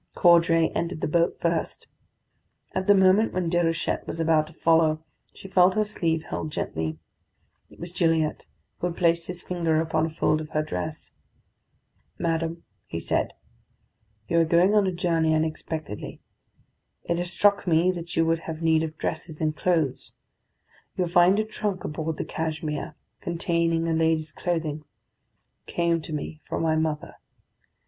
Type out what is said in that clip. Caudray entered the boat first. At the moment when Déruchette was about to follow, she felt her sleeve held gently. It was Gilliatt, who had placed his finger upon a fold of her dress. "Madam," he said, "you are going on a journey unexpectedly. It has struck me that you would have need of dresses and clothes. You will find a trunk aboard the Cashmere, containing a lady's clothing. It came to me from my mother.